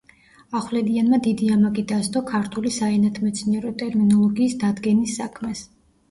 ახვლედიანმა დიდი ამაგი დასდო ქართული საენათმეცნიერო ტერმინოლოგიის დადგენის საქმეს.